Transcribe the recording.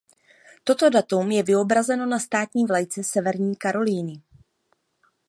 Toto datum je vyobrazeno na státní vlajce Severní Karolíny.